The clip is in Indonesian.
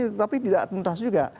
tetapi tidak mentah juga